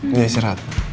udah si rat